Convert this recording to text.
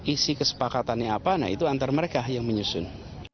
isi kesepakatannya apa nah itu antara mereka yang menyusun